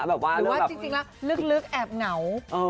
หรือว่าจริงแล้วลึกแอบเหงา